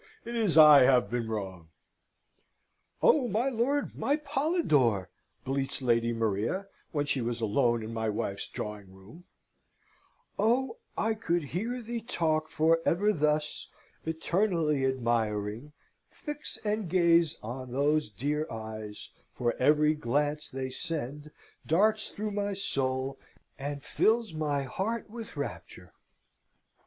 It is I have been wrong." "Oh, my lord, my Polidore!" bleats Lady Maria, when she was alone in my wife's drawing room: "'Oh, I could hear thee talk for ever thus, Eternally admiring, fix and gaze On those dear eyes, for every glance they send Darts through my soul, and fills my heart with rapture!'